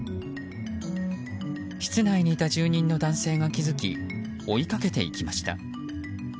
室内にいた住人の男性が気付き追いかけていきました。